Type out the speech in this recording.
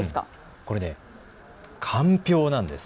これ、かんぴょうなんです。